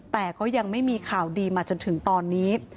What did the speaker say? แต่ก็ยังไม่มีข่าวดีมาจนถึงตอนนี้